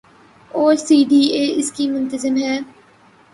اورسی D A اس کی منتظم ہے۔